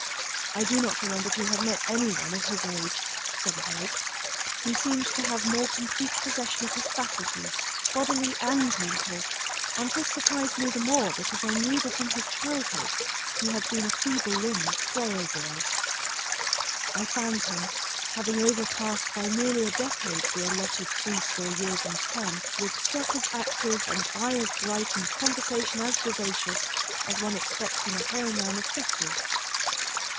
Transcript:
I do not remember to have met any one of his age [seventy eight] who seemed to have more complete possession of his faculties, bodily and mental; and this surprised me the more because I knew that in his childhood he had been a feeble limbed, frail boy.... I found him, having overpassed by nearly a decade the allotted threescore years and ten, with step as active and eye as bright and conversation as vivacious as one expects in a hale man of fifty....